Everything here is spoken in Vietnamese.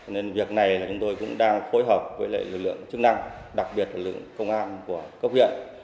nên việc này là chúng tôi cũng đang phối hợp với lực lượng chức năng đặc biệt là lượng công an của cấp huyện